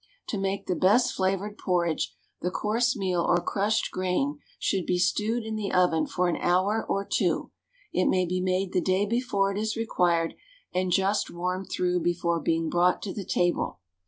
To make the best flavoured porridge, the coarse meal or crushed grain should be stewed in the oven for an hour or two; it may be made the day before it is required, and just warmed through before being brought to the table.